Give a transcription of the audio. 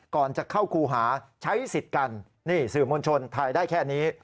ก่อนจะเข้าครูหาใช้สิทธิ์กันนี่สื่อมวลชนถ่ายได้แค่นี้